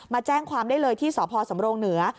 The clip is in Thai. มาแจ้งความได้เลยที่สพสำรงเหนือ